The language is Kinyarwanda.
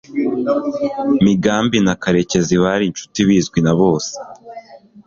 Migambi na Karenzi bari inshuti bizwi na bose